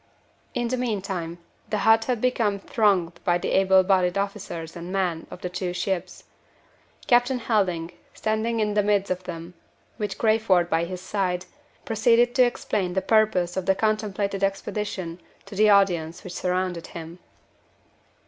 In the meantime, the hut had become thronged by the able bodied officers and men of the two ships. Captain Helding, standing in the midst of them, with Crayford by his side, proceeded to explain the purpose of the contemplated expedition to the audience which surrounded him.